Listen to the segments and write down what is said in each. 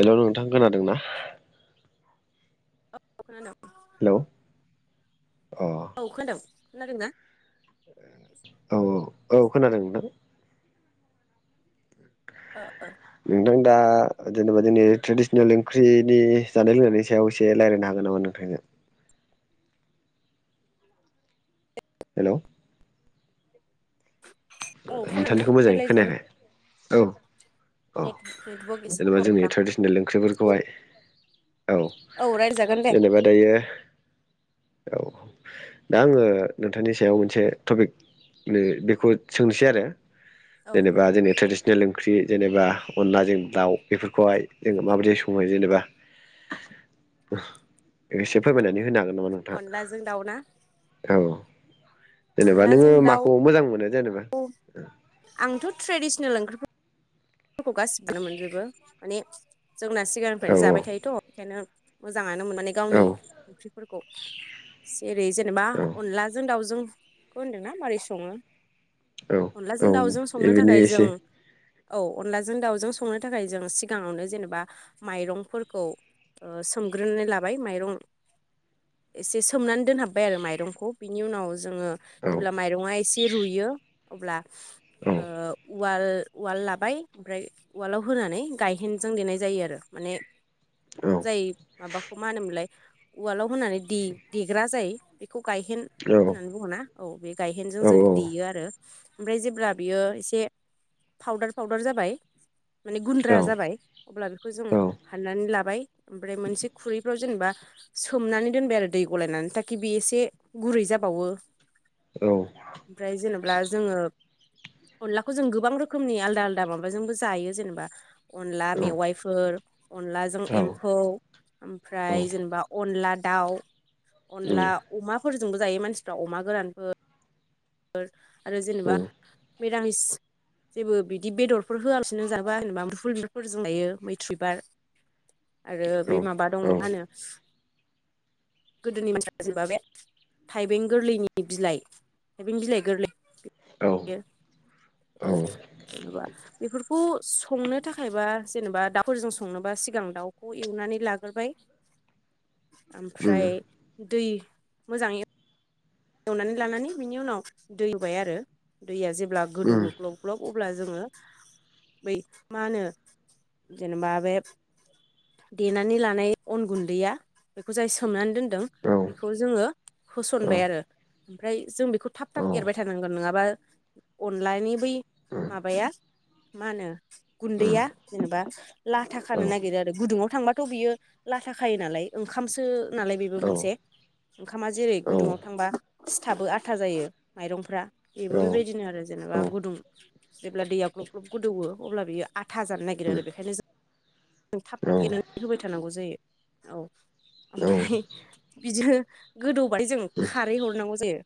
हेल' नोंथां खोनादों ना औ खोनादों हेलौ औ खोनादों खोनादोंना औ औ औ खोनादों नोंथां ओ ओ नोंथां दा जेनेबा जोंनि ट्रेडिसनेल ओंख्रिनि जानाय लोंनायनि सायाव एसे रायज्लायनो हागोन नामा नोंथांजों [inaudible] हेलौ औ खोनादोंना नोंथांनिखौ मोजाङै रायलायजागोन खोनायाखै औ औ नेटवर्क एसे जेनेबा प्रब्लेम जोंनि दां ट्रेडिसनेल ओंख्रि फोरखौहाय औ रायलायजागोन दे जेनेबा दायो औ दा आङो नोंथांनि सायाव मोनसे टपिकनि बेखौ सोंनोसै आरो औ जेनेबा जोंनि ट्रेडिसनेल ओंख्रि जेनेबा अनलाजों दाउ बेफोरखौहाय जों माबोरदि समो जेनेबा एसे फोरमायनानै होनो हागोन नामा नोंथाङा अनलाजों दाउना औ जेनेबा नोङो दाउ माखौ मोजां मोनो जेनेबा आंथ' ट्रेडिसनेल ओंख्रिफो रखौ गासिबोनो मोनजोबो माने जोंना औ सिगांनिफ्रायनो जाबाय थायोथ' बेखायनो मोजां आनो मोननानै औ गावनि ओंख्रिफोरखौ जेरै जेनेबा औ अनलाजों दाउजों बेखौ होनदोंना मारै सङो? औ औ अनलाजों दाउजों संनो बेबायदि थाखाय जों एसे औ अनलाजों दाउजों संनो थाखाय जों सिगाङावनो जेनेबा माइरंफोरखौ ओ सोमग्रोनानै लाबाय माइरं एसे सोमनानै दोनहाबबाय आरो माइरंखौ बिनि उनाव जोङो औ जेब्ला माइरङा एसे रुयो अब्ला औ ओ उवाल उवाल लाबाय ओमफ्राय उवालाव होनानै गायहेनजों देनाय जायो आरो माने औ जाय माबाखौ मा होनोमोनलाय उवालाव होनानै दे-देग्रा जाय बेखौ गायहेन औ होननानै बुङो ना? औ बे गायहेनजों औ जों देयो आरो। ओमफ्राय जेब्ला बियो एसे फावदार फावदार जाबाय माने औ गुन्द्रा जाबाय अब्ला बेखौ जों औ हाननानै लाबाय। ओमफ्राय मोनसे खुरैफ्राव जेनेबा सोमनानै दोनबाय आरो दै गलायनानै ताकि बे एसे गुरै जा बावो। ओमफ्राय जेनेब्ला जोङो अनलाखौ जों गोबां रोखोमनि आलदा आल दा माबाजोंबो जायो जेनेबा अनला मेवाइफोर अनलाजों एम्फौ ओमफ्राय जेनेबा अनला दाउ, औ अनला उम अमाफोरजोंबो जायो मानसिफ्रा अमा गोरानफोर आरो जेनेबा उम मिरामिस जेबो बिदि बेदरफोर होआलासेनो जानोबा जेनेबा मुदुफुल बिबारफोरजों जायो मैथ्रु बिबार। आरो औ बे माबा दङ मा होनो गोदोनि मानसिया जेनबा बे थाइबें गोरलैनि बिलाइ थाइबें बिलाइ औ उम गोरलै [unintelligible] औ जेन'बा बेफोर खौ संनो थाखायबा जेनेबा दाउफोरजों संनोबा सिगां दाउखौ एवनानै लागोरबाय। [inaudible] ओमफ्राय दै मोजाङै एवनानै लानानै बिनि उनाव दै होबाय आरो दैया जेब्ला गोदौओ ग्लब ग्लब अब्ला जोङो बै मा होनो जेनेबा बे देनानै लानाय अन गुन्दैया, बेखौजाय सोमनानै दोन दों बेखौ जोङो होसनबाय आरो ओमफ्राय जों बे बेखौ थाब औ थाब एरबाय थानांगोन, नङाबा अनलानि बै माबाया मा होनो गुन्दैया जेनेबा लाथा खानो नागिरो आरो गुदुङाव थांबाथ' बियो लाथाखायो नालाय ओंखामसो नालाय बेबो मोनसे। ओंखामा जेरै गुदुङाव थांबा सिथाबो आथा जायो माइरंफ्रा। बेबो बेबायदिनो आरो जेनेबा गुदुं जेब्ला दैया ग्लब ग्लब गोदौवो अब्ला बेयो आथा जानो नागिरो आरो बेखायनो जों थाब थाब एरनानै होबाय थानांगौ जायो। औ उम ओमफ्राय बिदिनो गोदौबाथाय जों खारै हरनांगौ जायो,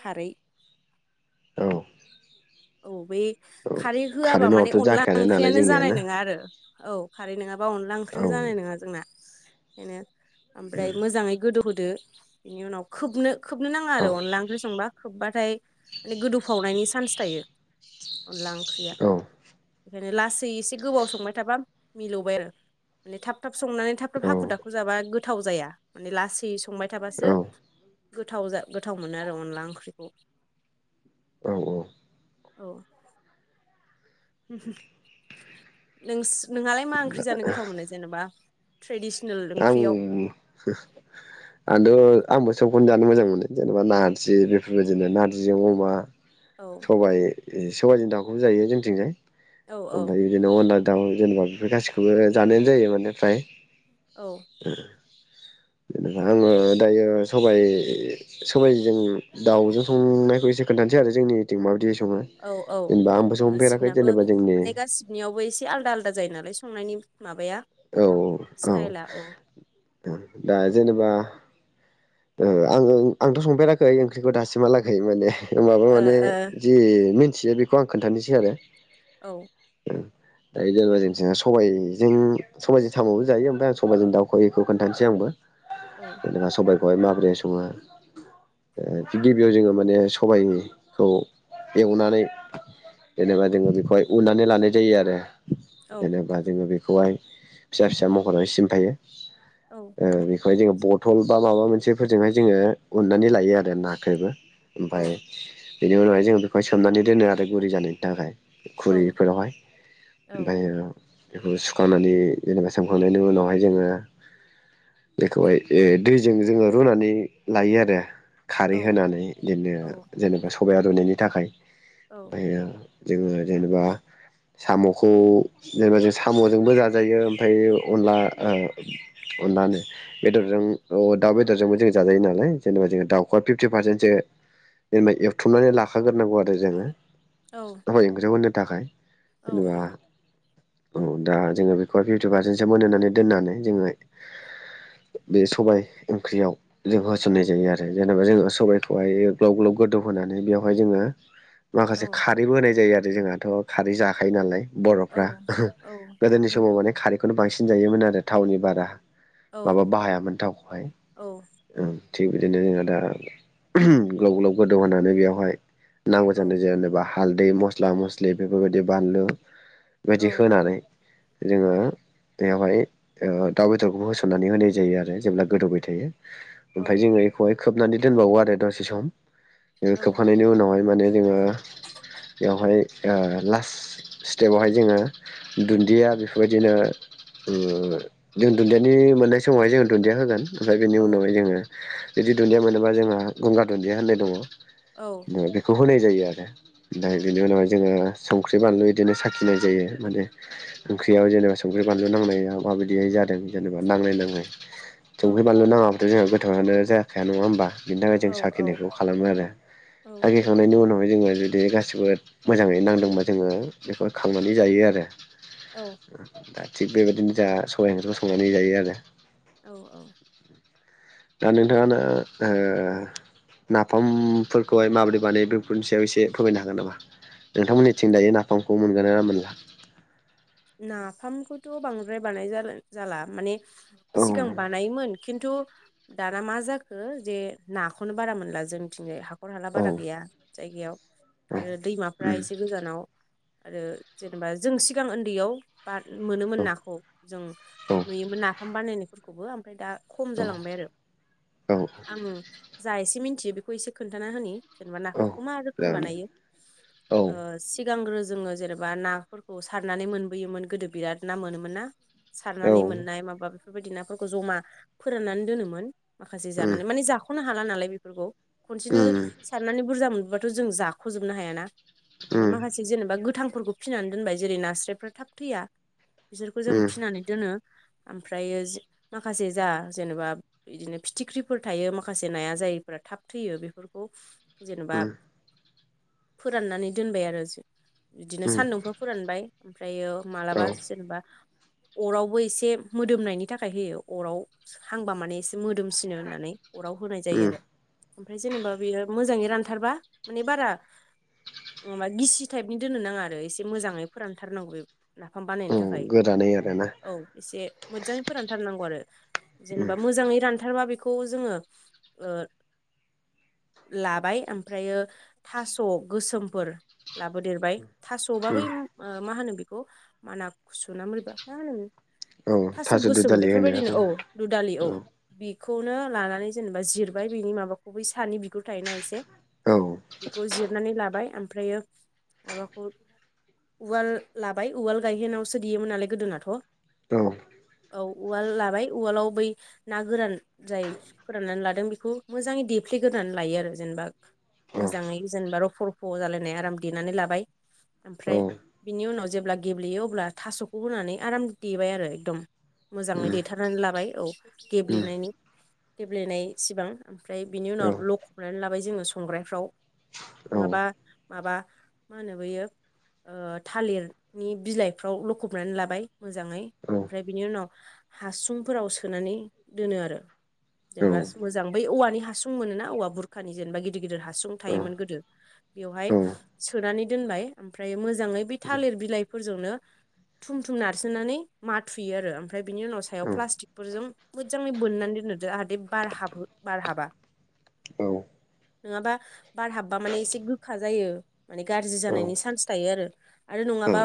खारै। औ। औ बे खारै होआबा माने नङाबाथ' अनला जाखायानो नालाय ओंख्रियानो जोंनिया जानाय ना नोङा आरो। औ खारै नोङाबा अनला औ ओंख्रिआनो जानाय उम नङा जोंना। बेखायनो ओमफ्राय मोजाङै गोदौहोदो बिनि उनाव खोबनो खोबनो नाङा आरो औ अनला ओंख्रि संबा, खोब्बाथाय माने गोदौफावनायनि चान्स थायो। अनला ओंख्रिया। बेखायनो लासै एसे गोबाव संबाय थाबा मिलौबाय आरो माने थाब थाब संनानै थाब थाब औ हाखु दाखु जाबा गोथाव जाया। माने लासै संबाय औ थाबासो गोथाव जा गोथाव मोनो आरो अनला ओंख्रिखौ। औ औ। औ। नोंस नोंहालाय मा ओंख्रि जानो गोथाव मोनो जेनेबा? ट्रेडिसनेल आं हो ओंख्रियाव आंथ' आंबो सबखौनो जानो मोजां मोनो जेनेबा नारजि बेफोरबायदिनो नार्जिजों अमा औ सबाइ सबाइजों दाउखौबो जायो जोंथिंजाय औ ओमफ्राय बिदिनो अनला दाउ जेनेबा बेफोर गासिखौबो जानायानो जायो माने फ्राय औ [unintelligible] ङो दायो सबइ सबायजों दाउजों संनायखौ एसे खोन्थानोै आरो जोंनिथिं माबायदि सङो औ औ जेनेबा आंबो संफेराखै गासिनिनाबो जेनेबा जोंनि माने गासिनियावबो एसे आलदा आलादा जायो नामा संनायनि माबाया औ औ औ सिताय्लया माबाया दा जेनेबा आं आङो आंथ' संफेराखै ओंख्रिखौ दासिमहालागै माने माबा माने जि मिथियो बेखौ आं खोन्थानोसै आरो औ [unintelligible] दा जेनेबा जोंस साइजों साइजों सामबो जायो ओमफ्राय आं सबाइजों दाउखौहाय खोन्थानोसै आंबो ओ जेना सबायखौहाय माबोरै सङो जुदि बेयाव जोङो माने सबायाइखौ एवनानै जेनेबा जोङो बेखौहाय उननानै लानाय जायो आरो औ जेनेबा जोङो बेखौहाय फिसा फिसा महराव सिमफायो औ ओ बेखौहाय जोङो बथल बा माबा मोनसे मोनसेफोरजोंहाय जोङो अननानै लायो आरो नाख्रेबो ओमफ्राय बेनि उनावहाय जों बेखौहाय सोमनानै दोनो आरो गुरै जानायनि थाखाय औ खुरैफोरावहाय औ ओमफायो बेखौ सुखांनानै जेनेबा सोमखांनायनि उनावहाय जोङो बेखौहाय दैजों जोङो रुनानै लायो आरो खारै औ होनानै बिदिनो औ औ जेनेबा सबाइ रुइनायनि थाखाय औ ओमायो जोङो जेनेबा साम'खौ जेनेबा जों साम'जोंबो जाजायो ओमफ्राय अनला ओ अनलानो बेदरजों ओ दाउ बेदर जों जायो नालाय जेनेबा ज दाउखौ फिफ्टिापारसेतसो जेनेबा एवथुमनानै ला गाखाग्रोनांगौ आरो जोङो सबाय ओंख्रिआव होनो थाखाय औ जेनेबा औ दा जोङो बेखौहाय फिफ्टि पारसेन्टसो मोनानै दोननानै जोङो बे सबाय ओंख्रियाव जों होसन्नाय जायो आरो जों जेनेबा जोङो सबबायखौहाय ग्लब ग्लब गोदौ होनानै बेवहाय जोङो माखासे खारैबो होनाय जायो आरो जोंहाथ' खारै जाखायो नालाय बर'फ्रा गोदोनि समाव माने खारै बेखौनो बांसिन जायोमोन आरो थावनि बारा माबा बाहायामोन थावखौहाय औ ओं थिग बिदिनो जोंहा दा ग्लब ग्लब गोदौ होनानै बेयावहाय नांगौ ज जादों जेनेनेबा हालदै मस्ला मस्लि बेफोरबायदि बानलु बायदि होनानै जोङो बेयावहाय ओ दाउ बेदरखौ होसननानै होनाय जायो आरो जेब्ला गोदौबाय थायो ओमफ्राय जोङो बेखौहाय खोबनानै दोनबावो आरो दसे सम खोबखांनायनि उनावहाय माने जेनेबा बेवहाय ओ लास्ट स्टेपावहाय जोङो दुन्दिया बेफोरबायदिनो जों दुन्दियानि मोननाय समावहाय जो दुन्दिया होगोन ओमफ्राय बेनि उनावहाय जोङो बिुदि दुन्दिया मोनोबा जोंहा गंगार दुन्दिया होननाय दङ दं बेखौ होनाय जायो आरो दा बेनि उनावहाय जोङो संख्रि बानलु बिदिनो साखिनाय जायो माने ओंख्रियाव जेनेबा संख्रि बानलु नांनायाव माबायदियाय जा जादों जेनेबा नाङलै नाङै संख्रि बानलु नाङाबथ' जोंहा गोथाङानो जाखाया नङा होमबा बिनि थाखाय जों औ साखिनायखौ खालामो आरो साखिखांनायनि उनाव बेफ्राय जोङो जुदि गासिबो मोजाङै नांदोंबा जोङो बेखौ खांनानै जायो आरो औ दा थिग बेबायदिनो जोंहा सबाइ ओंख्रिखौ संनानै जायो आरो औ औ दा नोंथाङानो‌ ओ नाफामफोरखौहाय माबोरै बानायो बेफोरनि सायाव एसे फोरमायनो हागोन नामा? नोंथांमोननिथिं दायो नाफामखौ मोनगोना मोनला? नाफामखौथ' बांद्राय बानाय जाला जाला माने औ सिगां बानायोमोन खिन्थु दाना मा जाखो जे नाखौनो बारा मोनला जोंथिंजाय हा हाखर हाला औ बारा गैया जायगायाव आरो दैमाफ्रा उम एसे गोजानाव आरो जेनेबा जों सिगां ओन्दैयाव बा मोनोमोन औ नाखौ जों औ नुयोमोन नाफाम बानायनायफोरखौबो ओमफ्राय दा खम औ जालांबाय आरो औ आङो जा एसे मिन्थियो बेखौ एसे खोन्थाना होनि जेनेबा औ नाामखौ मा रोखोम जागोन दे बानायो औ सिगांग्रो जोङो जेनेबा नाफोरखौ सारनानै मोनबोयोमोन गोदो बिराद ना मोनोमोन ना औ सारनानै उम मोननाय माबा बेफोरबायदि नाफोरखौ जमा फोराननानै दोनोमोन माखासे जानानै माने जाख'नो हाला नालाय बेफोरखौ खनसेनो उम साननानै बुरजा मोन बाथ जों जाख'जोबनो हायाया ना बेखायनो उम माखासे जेनेबा गोथांफोरखौ फिनानै दोनबाय जेरै नास्रायफ्रा थाब थैया बिसोरखौ जों उम फिनानै दोनो ओमफ्रायो जि माखासे जा जेनेबा बिदिनो फिथिख्रिफोर थायो माखासे नाया जायफोरा थाब थैयो बेफोरखौ जेनेबा उम फोराननानै दोनबाय आरो जो बिदिनो उम सान्दुंफ्राव बाय ओमफ्रायो औ मालाबा जेनेबा अरावबो एसे मोदोमनायनि थाखाय होयो अराव हांबा माने एसे मोदोमसिनो होननानै अराव होनाय जायो उम आरो ओमफ्राय जेनेबा बेयो मोजाङै रानथारबा माने बारा नङाबा गिसि टाइपनि दोननो नाङा आरो एसे मोजाङै फोरानथारनांगौ बे नाफाम बानायनो औ थाखाय गोरानै आरोना औ एसे मोज्जाङै फोरानथारनांगौ आरो उम जेनेबा मोजाङै रान थारबा बेखौ जोङो ओ लाबाय ओमफ्रायो थास' गोसोमफोर लाबोदेरबाय था सबा बै उम ओ मा होनो बेखौ माना खुसुना मोरैबा मा होनोमोन औ थास' गोसोम दुदालि होनो बेफोरबायदिनो आरो औ दु दालि औ बि खौनो लानानै जेनेबा जिरबाय बेनि माबाखौ बै सानि बिगुर थायोना एसे औ बिखौ जिरनानै लाबाय ओमफ्रायो माबाखौ उवाल लाबाय उवाल गायहोनायावसो देयोमोन नालाय गोदोनाथ' औ औ उवाल लाबाय उवालाव बै ना गोरान जाय फोराननानै लादों बिखौ मोजाङै दे फ्ले गोदान लायो आरो जेनेबा औ मोजाङै जेनेबा रुफ' रुफ' जालायनाय आराम देनानै लाबाय औ ओमफ्राय बिनि उनाव जेब्ला गेब्लेयो अब्ला थास'खौबो होनानै आराम देबाय आरो एकदम मोजाङै उम देथारनानै लाबाय औ उम गेब्लेनायनि गेब्लेनाय सिबां ओमफ्राय बिनि औ उनाव लखबनानै लाबाय जोङो संग्रायफ्राव औ नोङाबा माबा मा होनो बैयो ओ थालिरनि बिलाइफ्राव लखबनानै लाबाय मोजाङै औ औ ओमफ्राय बिनि उनाव हासुंफोराव सोनानै दोनो आरो औ जेनेबा मोजां बै औवानि हासुं मोनोना औवा बुरखानि जेनेबा गिदिर गिदिर हासुं थायोमोन औ गोदो बेवहाय सोनानै दोनबाय ओमफ्रायो मोजाङै बे थालिर बिलाइफोरजोंनो थुम थुम नारसोनानै माथुयो आरो ओमफ्राय बिनि उनाव सायाव प्लास्टिकफोरजों मोजाङै बोननानै दोनो आहादेब बार हाबहो बार हाबा [inaudible] नोङाबा बार हाबबा माने एसे गोखा जायो माने गाज्रि जानायनि सो चान्स थायो आरो आरो नङाबा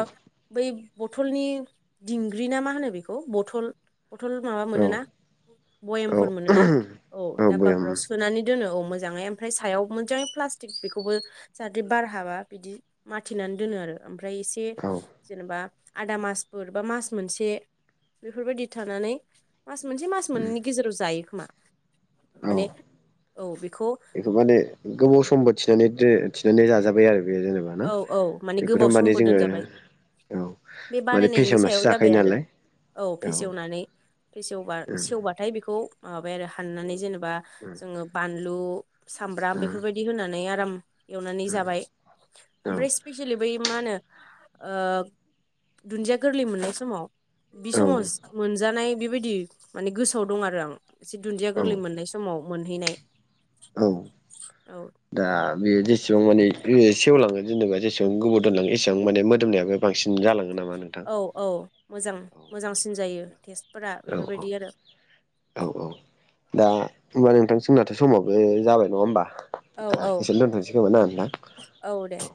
बै बथलनि दिंग्रिना मा होनो बेखौ बथल बथल औ माबा मोनोना भयेमफोर औ मोनोना औ। धाबबाफोराव सोनानै दोनो औ मोजाङै सायाव मोजाङै प्लासथिक बेखौबो जाहाथे बार हाबा। बिदि माथिनानै दोनो आरो ओमफ्राय एसे औ जेनेबा आदा बेफोरबायदि थानानै मास मोनसे मास उम मोनननि गेजेराव जायो खोमा। औ माने औ बेखौ माने गोबाव समबो थिनानै थिनानै जाजाबाय आरो बेयो जेनेबा ना औ औ गोबाव बेखौथ' माने समबो जोङो दोनजाबाय औ बे माने बानायनायनि फेसवनासो सायाव जाबाय जाखायो आरो नालाय। औ फेसेवनानै सेवबा सेवबाथाय बेखौ माबाय आरो हाननानै जेनेबा जोङो बानलु सामब्राम बेफोरबायदि होनानै आराम एवनानै जाबाय ओमफ्राय स्पेसियेलि बै मा होनो दुन्दिया गोरलै मोननाय समाव बे औ समाव मोनजानाय बेबायदि माने गोसोआव दं आरो आं एसे दुन्दिया औ गोरलै मोननाय समाव मोनहैनाय औ औ दा बेयो जेसेबां माने सेवलाङो जेनेबा जेसेबां गोबाव दोनलाङो एसेबां माने मोदोमनायाबो बांसिन जालाङो नामा नोंथां औ औ मोजां मोजांसिन जायो टेस्ट फोर औ बेफोरबायदि आरो औ औ दा होमबा नोंथां सोंनाथ' समावबो जाबाय नंङा होमबा। औ औ एसेनो दोनथ'नोसै खोमोन ना होनदां औ।